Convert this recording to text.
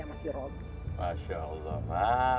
sama si robi masya allah mak